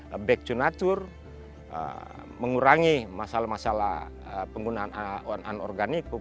harus diedukasi mengurangi masalah masalah penggunaan anorganik